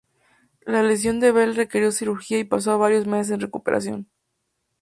La lesión de Bell requirió cirugía y pasó varios meses en recuperación.